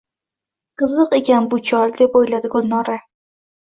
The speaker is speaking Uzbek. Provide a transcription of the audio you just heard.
«Qiziq ekan bu chol, — deb oʼyladi Gulnora.